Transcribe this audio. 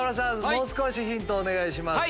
もう少しヒントをお願いします。